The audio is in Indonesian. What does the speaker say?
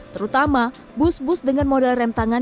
terutama bus bus dengan model rem tangan